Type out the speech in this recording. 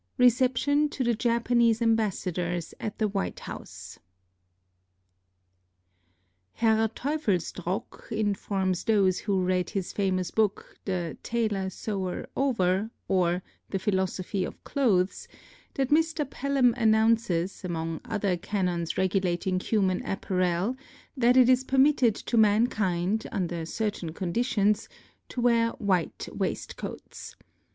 RECEPTION TO THE JAPANESE AMBASSADORS AT THE WHITE HOUSE Herr Teufelsdrockh informs those who read his famous book, the Tailor Sewer Over; or, the Philosophy of Clothes, that Mr. Pellum announces, among other canons regulating human apparel, that it is permitted to mankind, under certain conditions, to wear white waistcoats.